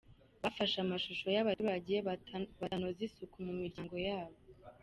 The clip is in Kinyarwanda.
Bafashe amashusho ya baturage batanoza isuku mumiryango yabo